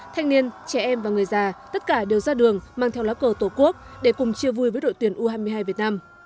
thanh niên trẻ em và người già tất cả đều ra đường mang theo lá cờ tổ quốc để cùng chia vui với đội tuyển u hai mươi hai việt nam